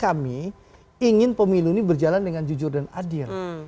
kami ingin pemilu ini berjalan dengan jujur dan adil